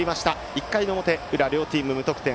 １回の表裏は両チーム無得点。